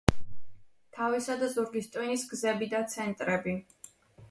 თავისა და ზურგის ტვინის გზები და ცენტრები.